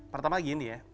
pertama gini ya